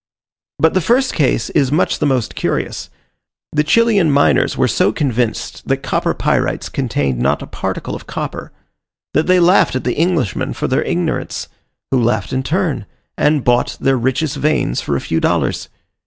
But the first case is much the most curious. The Chilian miners were so convinced that copper pyrites contained not a particle of copper, that they laughed at the Englishmen for their ignorance, who laughed in turn, and bought their richest veins for a few dollars.